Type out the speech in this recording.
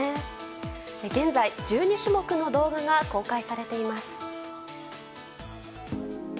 現在、１２種目の動画が公開されています。